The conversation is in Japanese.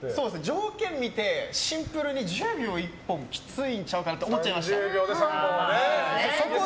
条件を見てシンプルに１０秒１本はきついんちゃうかなって思っちゃいました。